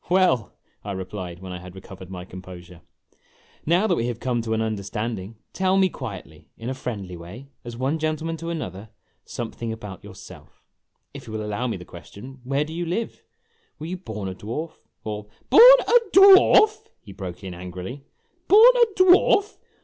72 IMAGINOTIONS "Well," I replied, when I had recovered my composure, "now that we have come to an understanding, tell me quietly, in a friendly way, as one gentleman to another, something about yourself. If you will allow me the question, where do you live ? Were you born a dwarf, or " "Born a dwarf!" he broke in angrily, "born a dwarf!